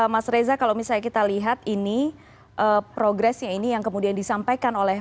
mas reza kalau misalnya kita lihat ini progresnya ini yang kemudian disampaikan oleh